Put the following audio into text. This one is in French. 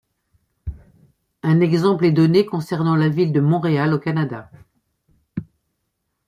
Un exemple est donné concernant la ville de Montréal au Canada.